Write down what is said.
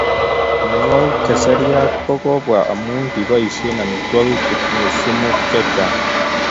Mianug'ik che seriat ko kokobwa amu kiboishe amitwogik chetinye sumut chechang'